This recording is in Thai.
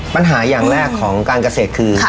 ปัญหาอย่างแรกของการเกษตรคือ